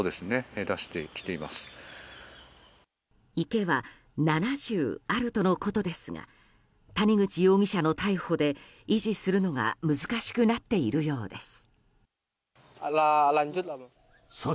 池は７０あるとのことですが谷口容疑者の逮捕で維持するのが難しくなっているようです。